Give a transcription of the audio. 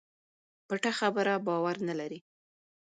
پټه خبره باور نه لري.